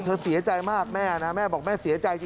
เธอเสียใจมากแม่นะแม่บอกแม่เสียใจ